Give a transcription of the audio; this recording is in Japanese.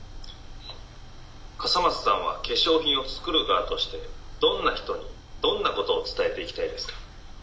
「笠松さんは化粧品を作る側としてどんな人にどんなことを伝えていきたいですか？」。